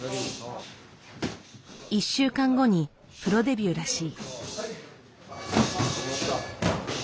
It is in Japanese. １週間後にプロデビューらしい。